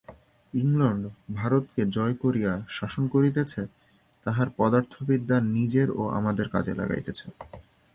England ভারতকে জয় করিয়া শাসন করিতেছে, তাহার পদার্থবিদ্যা নিজের ও আমাদের কাজে লাগাইতেছে।